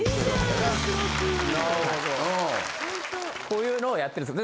こういうのをやってるんです。